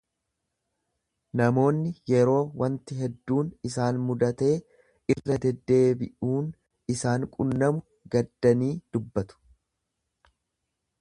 Namoonni yeroo waanti hedduun isaan mudatee irra deddeebi'uun isaan qunnamu gaddanii dubbatu.